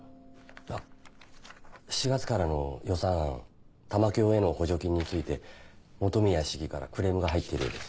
あっ４月からの予算案玉響への補助金について本宮市議からクレームが入っているようです。